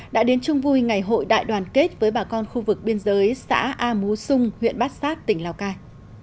đã đến chung vui ngày hội đại đoàn kết với bà con khu vực biên giới xã a mú xung huyện bát sát tỉnh lào cai